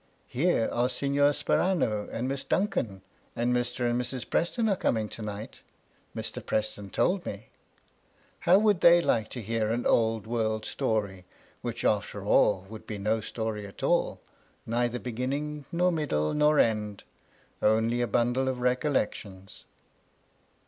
Here are Signor Sperano, and Miss Duncan, and Mr. and Mrs. Preston are coming to night, Mr. Preston told me ; how would they like to hear an old world story which, after all, would be no story at all, neither beginning, nor middle, nor end, only a bundle of recollections."